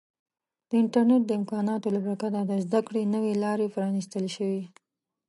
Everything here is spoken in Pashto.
د انټرنیټ د امکاناتو له برکته د زده کړې نوې لارې پرانیستل شوي.